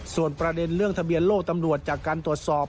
ส่วนประเด็นเรื่องทะเบียนโลกตำรวจจากการตรวจสอบ